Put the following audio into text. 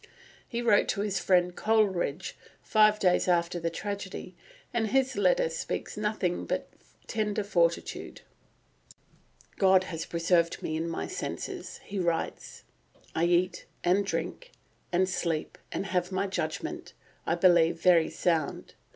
He wrote to his friend Coleridge five days after the tragedy, and his letter speaks nothing but tender fortitude. "God has preserved to me my senses," he writes. "I eat, and drink, and sleep, and have my judgment, I believe, very sound.